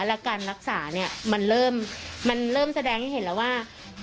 แล้วการรักษามันเริ่มแสดงให้เห็นแล้วว่า